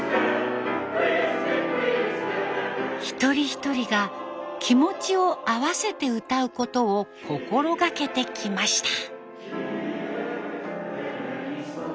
一人一人が気持ちを合わせて歌うことを心がけてきました。